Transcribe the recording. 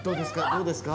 どうですか？